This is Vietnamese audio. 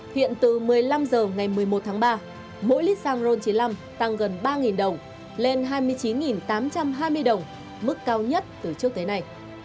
hiện từ một mươi năm h ngày một mươi một tháng ba mỗi lít xăng ron chín mươi năm tăng gần ba đồng lên hai mươi chín tám trăm hai mươi đồng mức cao nhất từ trước tới nay